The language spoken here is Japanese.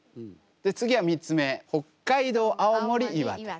で次は３つ目北海道青森岩手。